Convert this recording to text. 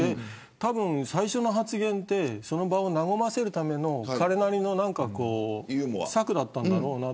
たぶん、最初の発言はその場を和ませるための彼なりの策だったんだろうな。